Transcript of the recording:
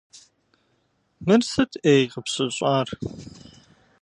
Мыр сыт, ӏей, къыпщыщӏар?